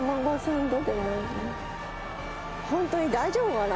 ホントに大丈夫かな。